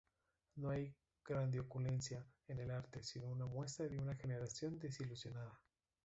No hay grandilocuencia en el arte, sino una muestra de una generación desilusionada".